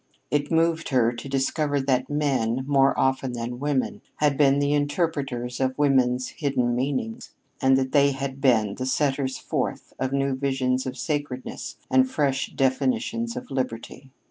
It moved her to discover that men, more often than women, had been the interpreters of women's hidden meanings, and that they had been the setters forth of new visions of sacredness and fresh definitions of liberty.